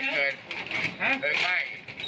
เปิดไฟ